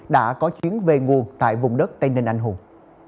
đã có chuyến về nguồn tại vùng đất tây ninh anh hùng